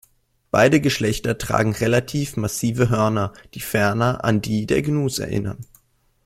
Beide Geschlechter tragen relativ massive Hörner, die ferner an die der Gnus erinnern.